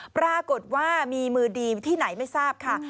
ปรากฏว่ามีมือดีที่ไหนไม่ทราบค่ะ